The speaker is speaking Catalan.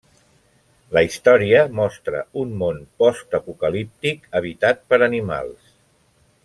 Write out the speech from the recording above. La història mostra un món postapocalíptic habitat per animals.